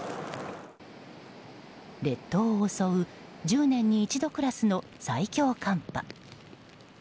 列島を襲う１０年に一度クラスの最強寒波。